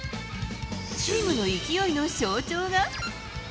チームの勢いの象徴が。